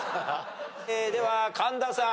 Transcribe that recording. では神田さん。